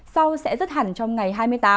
sau sẽ rớt hẳn trong ngày hai mươi tám